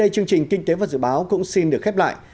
chương trình kinh tế và dự báo cũng xin được khép lại